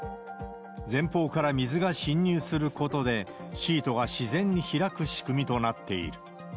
前方から水が侵入することで、シートが自然に開く仕組みとなっている。